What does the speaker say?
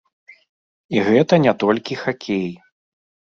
І гэта не толькі хакей.